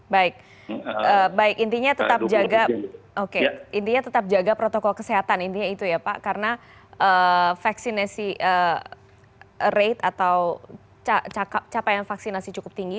baik baik intinya tetap jaga protokol kesehatan intinya itu ya pak karena vaksinasi rate atau capaian vaksinasi cukup tinggi